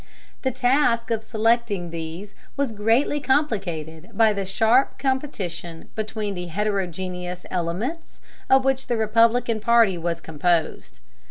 The task of selecting these was greatly complicated by the sharp competition between the heterogeneous elements of which the Republican party was composed.